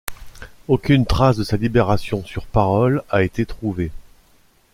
Aucune trace de sa libération sur parole a été trouvée.